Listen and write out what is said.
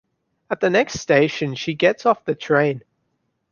At the next station, she gets off the train.